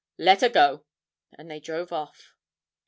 Let her go,' and they drove off.